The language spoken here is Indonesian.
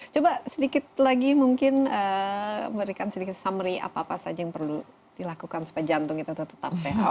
coba sedikit lagi mungkin berikan sedikit summary apa apa saja yang perlu dilakukan supaya jantung kita tetap sehat